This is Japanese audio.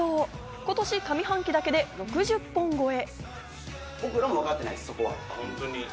今年上半期だけで６０本越え。